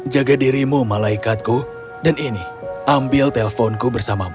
jaga dirimu malaikatku dan ini ambil telponku bersamamu